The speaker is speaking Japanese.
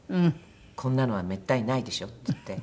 「こんなのはめったにないでしょ？」っつって。